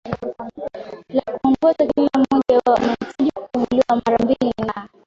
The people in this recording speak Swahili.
la kuongoza Kila mmoja wao anahitaji kukaguliwa mara mbili na